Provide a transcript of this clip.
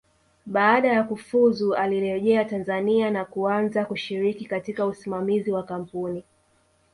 Baada ya kufuzu alirejea Tanzania na kuanza kushiriki katika usimamizi wa kampuni